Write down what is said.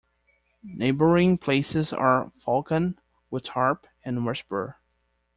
Neighbouring places are Fulkum, Utarp and Westerbur.